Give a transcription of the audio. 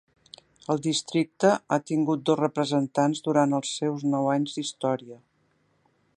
El districte ha tingut dos representants durant els seus nou anys d'història.